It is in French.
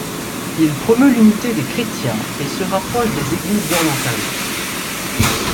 Il promeut l'unité des chrétiens et se rapproche des églises orientales.